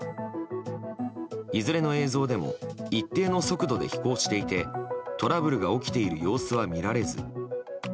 いずれの映像でも一定の速度で飛行していてトラブルが起きている様子は見られず。